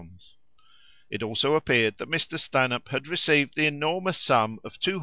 It also appeared that Mr. Stanhope had received the enormous sum of 250,000l.